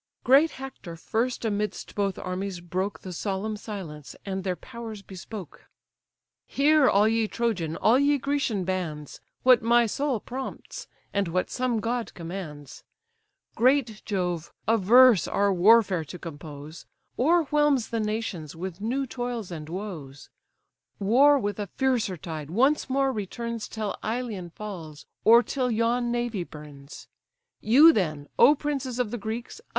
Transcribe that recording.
Great Hector first amidst both armies broke The solemn silence, and their powers bespoke: "Hear, all ye Trojan, all ye Grecian bands, What my soul prompts, and what some god commands. Great Jove, averse our warfare to compose, O'erwhelms the nations with new toils and woes; War with a fiercer tide once more returns, Till Ilion falls, or till yon navy burns. You then, O princes of the Greeks!